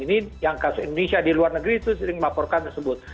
ini yang kasus indonesia di luar negeri itu sering melaporkan tersebut